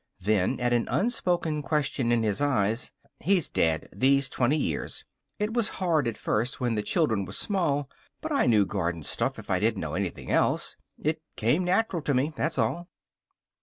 Then, at an unspoken question in his eyes: "He's dead. These twenty years. It was hard at first, when the children were small. But I knew garden stuff if I didn't know anything else. It came natural to me. That's all."